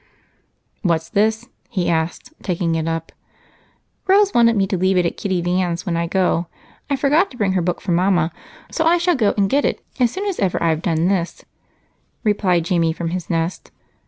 "What's this?" he asked, taking it up. "Rose wants me to leave it at Kitty Van's when I go. I forgot to bring her book from Mama, so I shall go and get it as soon as ever I've done this," replied Jamie from his nest.